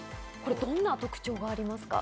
どんな特徴がありますか？